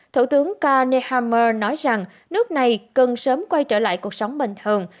thủ tướng kenehmmer nói rằng nước này cần sớm quay trở lại cuộc sống bình thường